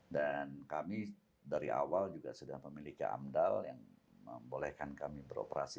dan kami dari awal juga sudah memiliki amdal yang membolehkan kami beroperasi